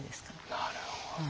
なるほど。